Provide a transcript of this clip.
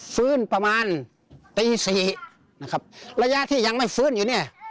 ฟื้นประมาณตีสี่นะครับระยะที่ยังไม่ฟื้นอยู่เนี่ย